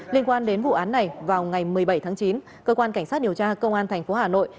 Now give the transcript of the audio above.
liên quan đến vụ án này vào ngày một mươi bảy tháng chín cơ quan cảnh sát điều tra công an tp hà nội